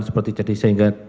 seperti jadi sehingga